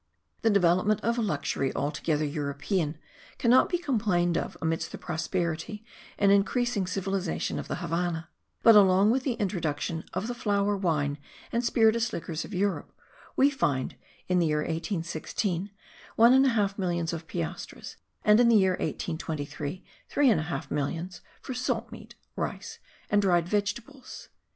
The development of a luxury altogether European, cannot be complained of amidst the prosperity and increasing civilization of the Havannah; but, along with the introduction of the flour, wine, and spirituous liquors of Europe, we find, in the year 1816, 1 1/2millions of piastres; and, in the year 1823, 3 1/2 millions for salt meat, rice and dried vegetables.